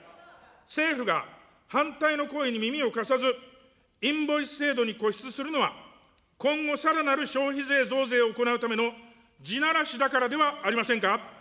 政府が反対の声に耳を貸さず、インボイス制度に固執するのは今後さらなる消費税増税を行うための地ならしだからではありませんか。